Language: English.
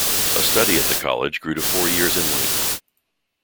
A study at the college grew to four years in length.